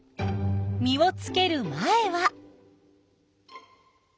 実をつける前は。